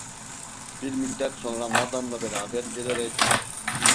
Bir müddet sonra madamla beraber gelerek: